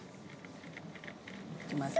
いきます。